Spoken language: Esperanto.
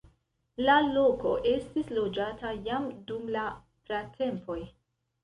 La loko estis loĝata jam dum la pratempoj.